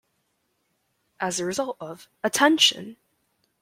As a result of Attention!